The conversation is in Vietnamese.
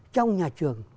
trong nhà trường